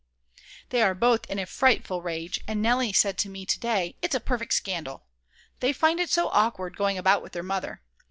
They are both in a frightful rage, and Nelly said to me to day: "It's a perfect scandal;" they find it so awkward going about with their mother.